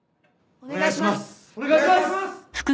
お願いします！